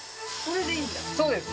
そうです。